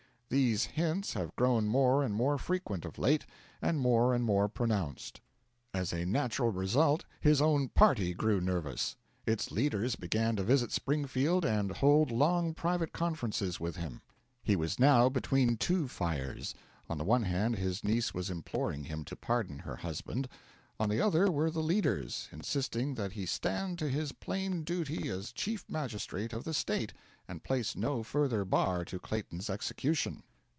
These hints have grown more and more frequent of late, and more and more pronounced. As a natural result, his own party grew nervous. Its leaders began to visit Springfield and hold long private conferences with him. He was now between two fires. On the one hand, his niece was imploring him to pardon her husband; on the other were the leaders, insisting that he stand to his plain duty as chief magistrate of the State, and place no further bar to Clayton's execution.